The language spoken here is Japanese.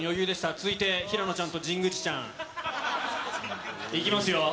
続いて、平野ちゃんと神宮寺ちゃん。いきますよ。